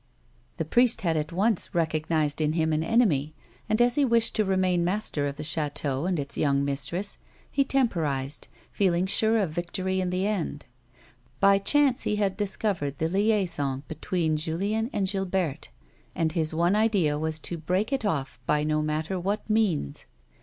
The priest had at once recognised in him an enemy, and, as he wished to remain master of the chateau and its young mistress, he temporised, feeling sure of victory in the end. By chance he had discovered the liaison between Julien and Gilberte, and his one idea was to break it off by no matter what means.